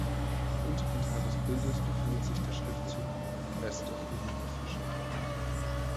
Im unteren Teil des Bildes befindet sich der Schriftzug "Best of Helene Fischer".